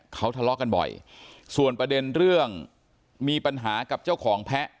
เขาทะเลาะกันบ่อยส่วนประเด็นเรื่องมีปัญหากับเจ้าของแพะ